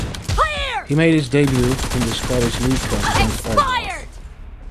He made his debut in the Scottish League Cup against Arbroath.